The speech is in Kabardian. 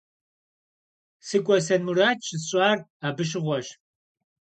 СыкӀуэсэн мурад щысщӀар абы щыгъуэщ.